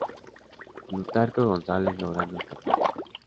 Plutarco González logrando escapar.